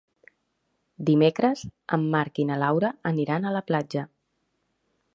Dimecres en Marc i na Laura aniran a la platja.